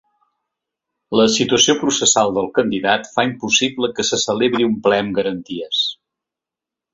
La situació processal del candidat fa impossible que se celebri un ple amb garanties.